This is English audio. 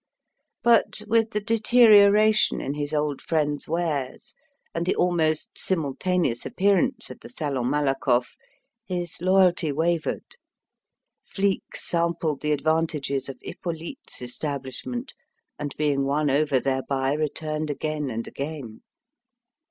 But, with the deterioration in his old friends' wares, and the almost simultaneous appearance of the Salon Malakoff, his loyalty wavered. Flique sampled the advantages of Hippolyte's establishment, and, being won over thereby, returned again and again.